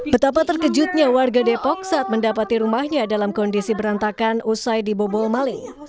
betapa terkejutnya warga depok saat mendapati rumahnya dalam kondisi berantakan usai dibobol malik